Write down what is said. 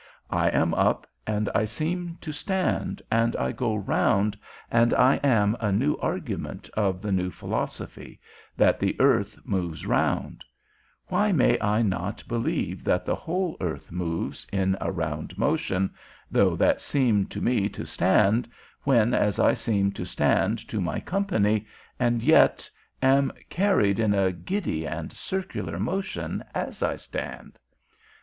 I am up, and I seem to stand, and I go round, and I am a new argument of the new philosophy, that the earth moves round; why may I not believe that the whole earth moves, in a round motion, though that seem to me to stand, when as I seem to stand to my company, and yet am carried in a giddy and circular motion as I stand?